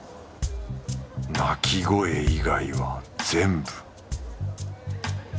泣き声以外は全部